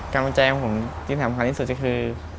กำลังใจของผมที่สำคัญที่สุดก็คือ